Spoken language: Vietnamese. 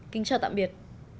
kính chào tạm biệt